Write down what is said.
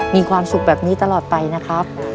มีความสุขแบบนี้ตลอดไปนะครับ